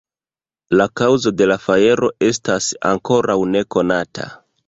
La kaŭzo de la fajro estas ankoraŭ nekonata.